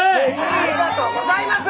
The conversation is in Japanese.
ありがとうございます！